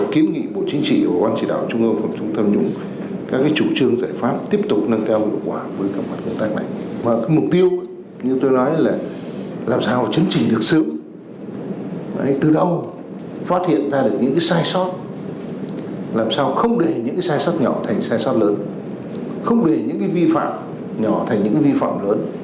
không để những sai sót nhỏ thành sai sót lớn không để những vi phạm nhỏ thành những vi phạm lớn